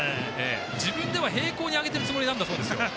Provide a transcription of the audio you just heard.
自分では平行に上げているつもりなんだそうですよ。